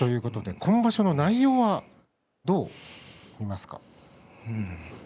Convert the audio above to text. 今場所の内容どうですか？